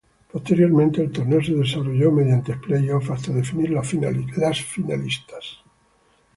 Posteriormente el torneo se desarrolló mediante Play Off hasta definir los finalistas.